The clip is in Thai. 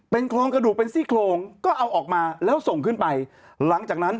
โครงกระดูกเป็นซี่โครงก็เอาออกมาแล้วส่งขึ้นไปหลังจากนั้น